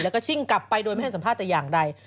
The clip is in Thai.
แล้วก็ชิ่งกลับไปโดยไม่ให้สัมภาษณ์แต่อย่างใด